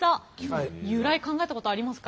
由来考えたことありますか。